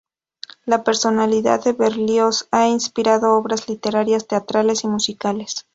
La personalidad de Berlioz ha inspirado obras literarias, teatrales y musicales.